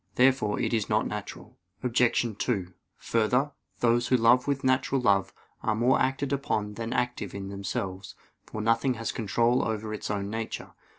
Therefore it is not natural. Obj. 2: Further, those who love with natural love are more acted upon than active in themselves; for nothing has control over its own nature.